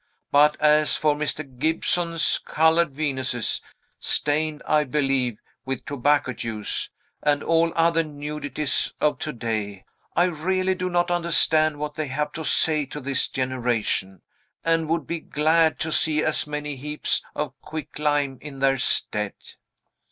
But as for Mr. Gibson's colored Venuses (stained, I believe, with tobacco juice), and all other nudities of to day, I really do not understand what they have to say to this generation, and would be glad to see as many heaps of quicklime in their stead."